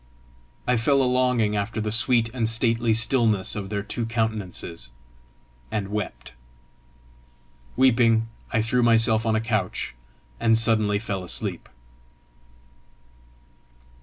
I fell a longing after the sweet and stately stillness of their two countenances, and wept. Weeping I threw myself on a couch, and suddenly fell asleep.